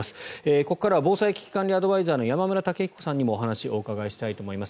ここからは防災・危機管理アドバイザーの山村武彦さんにもお話をお伺いしたいと思います。